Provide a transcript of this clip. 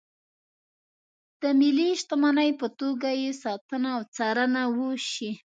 د ملي شتمنۍ په توګه یې ساتنه او څارنه وشي.